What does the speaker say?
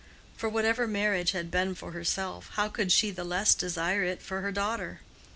For whatever marriage had been for herself, how could she the less desire it for her daughter?